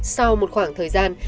sau một khoảng thời gian